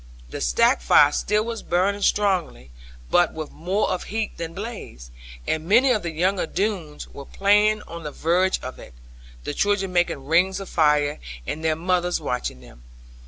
The stack fire still was burning strongly, but with more of heat than blaze; and many of the younger Doones were playing on the verge of it, the children making rings of fire, and their mothers watching them.